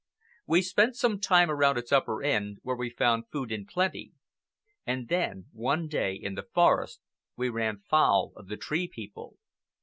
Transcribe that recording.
We spent some time around its upper end, where we found food in plenty; and then, one day, in the forest, we ran foul of the Tree People.